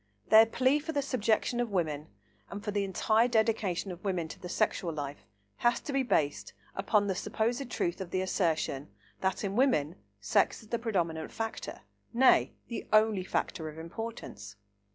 Their plea for the subjection of women and for the entire dedication of women to the sexual life has to be based upon the supposed truth of the assertion that, in women, sex is the predominant factor, nay, the only factor of importance.